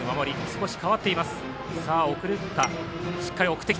少し変わっています。